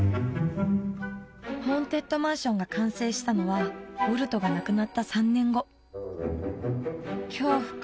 ホーンテッドマンションが完成したのはウォルトが亡くなった３年後恐怖か？